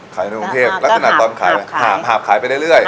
ขายในกรุงเทพฯแล้วก็หาบไปเรื่อย